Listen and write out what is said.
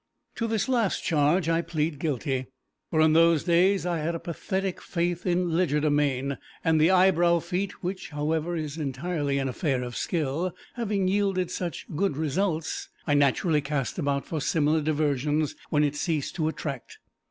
To this last charge I plead guilty, for in those days I had a pathetic faith in legerdemain, and the eyebrow feat (which, however, is entirely an affair of skill) having yielded such good results, I naturally cast about for similar diversions when it ceased to attract.